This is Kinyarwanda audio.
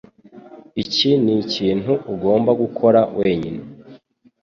Iki nikintu ugomba gukora wenyine.